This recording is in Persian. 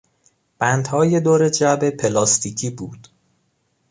بندهای دور جعبه پلاستیکی بود.